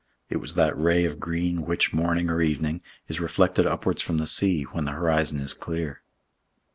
It was that ray of green which, morning or evening, is reflected upwards from the sea when the horizon is clear.